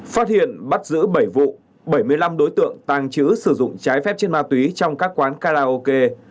phát hiện bắt giữ bảy vụ bảy mươi năm đối tượng tàng trữ sử dụng trái phép trên ma túy trong các quán karaoke